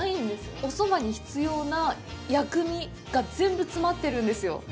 お蕎麦に必要な薬味が全部、詰まってるんですよ。